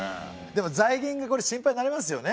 でも財源がこれ心配になりますよね。